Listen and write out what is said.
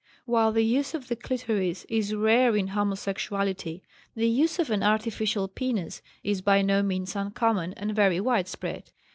While the use of the clitoris is rare in homosexuality, the use of an artificial penis is by no means uncommon and very widespread.